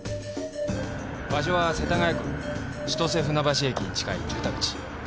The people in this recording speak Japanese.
場所は世田谷区千歳船橋駅に近い住宅地。